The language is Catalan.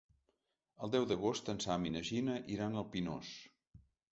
El deu d'agost en Sam i na Gina iran al Pinós.